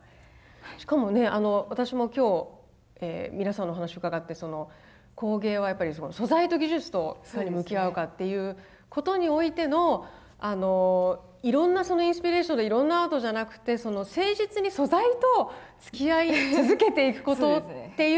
しかもね私も今日皆さんのお話を伺って工芸はやっぱり素材と技術といかに向き合うかっていうことにおいてのいろんなインスピレーションでいろんなアートじゃなくて誠実に素材とつきあい続けていくことっていう。